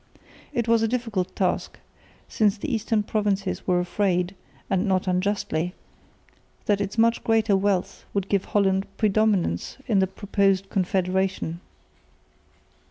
It was a difficult task, since the eastern provinces were afraid (and not unjustly) that its much greater wealth would give Holland predominance in the proposed confederation.